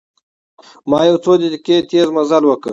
ما یو څو دقیقې تیز مزل وکړ.